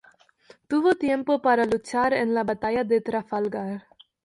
Tuvo tiempo para luchar en la Batalla de Trafalgar.